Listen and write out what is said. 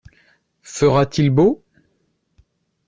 Fera-t-il beau ?